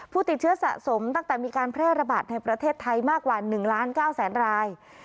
ผู้ติดเชื้อสะสมตั้งแต่มีการแพร่ระบาดในประเทศไทยมากกว่า๑ล้าน๙แสนราย